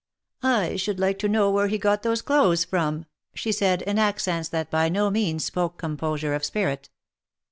" I should like to know where he got those clothes from," she said in accents that by no means spoke composure of spirit.